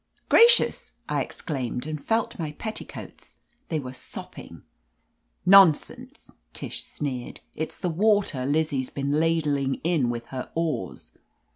"Gracious!" I exclaimed, and felt my petti coats. They were sopping. "Nonsense !" Tish sneered. "It's the water Lizzie's been ladling in with her oars."